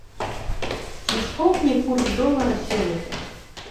Ці скокне курс долара сёлета?